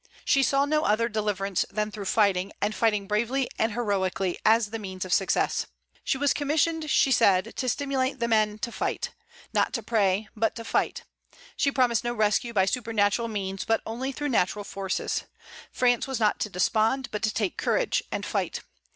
She saw no other deliverance than through fighting, and fighting bravely, and heroically, as the means of success. She was commissioned, she said, to stimulate the men to fight, not to pray, but to fight. She promised no rescue by supernatural means, but only through natural forces. France was not to despond, but to take courage, and fight.